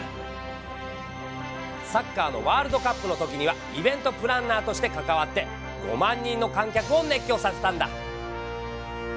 サッカーのワールドカップのときにはイベントプランナーとして関わって５万人の観客を熱狂させたんだ。